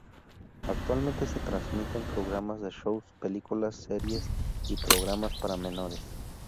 Actualmente se transmiten programas de shows, películas, series y programas para menores.